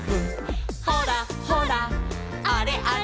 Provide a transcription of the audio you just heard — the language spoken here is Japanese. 「ほらほらあれあれ」